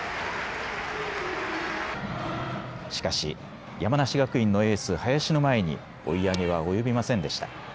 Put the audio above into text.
しかし山梨学院のエース、林の前に追い上げは及びませんでした。